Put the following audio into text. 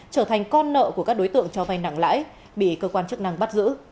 trở thành con nợ của các đối tượng cho vay nặng lãi bị cơ quan chức năng bắt giữ